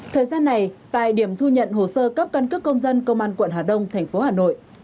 thời gian này tại điểm thu nhận hồ sơ cấp căn cước công dân công an quận hà đông thành phố hà nội